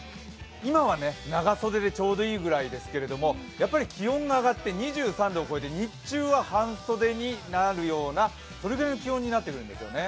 今は長袖でちょうどいいくらいですけれども、気温が上がって２３度を超えて日中は半袖になるようなそれぐらいの気温になっているんですよね。